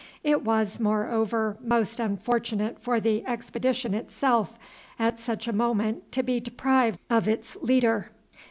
It was, moreover, most unfortunate for the expedition itself at such a moment to be deprived of its leader.